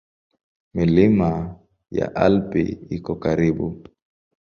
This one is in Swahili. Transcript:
Milima ya Alpi iko karibu.